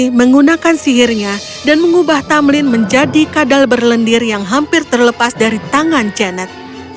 dia menggunakan sihirnya dan mengubah tamlin menjadi kadal berlendir yang hampir terlepas dari tangan janet